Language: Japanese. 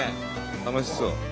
楽しそう。